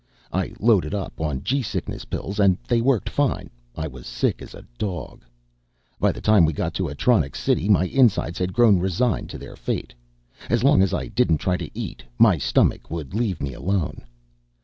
I loaded up on g sickness pills and they worked fine. I was sick as a dog. By the time we got to Atronics City, my insides had grown resigned to their fate. As long as I didn't try to eat, my stomach would leave me alone.